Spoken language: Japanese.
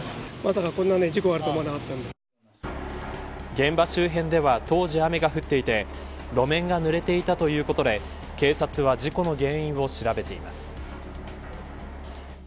現場周辺では当時雨が降っていて路面がぬれていたということで警察は事故の原因を調べています。